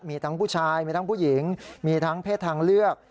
มีทั้งผู้ชายมีทั้งผู้หญิงมีทั้งเพศทางเลือก